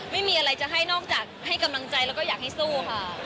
ไม่มีอะไรจะให้นอกจากให้กำลังใจแล้วก็อยากให้สู้ค่ะ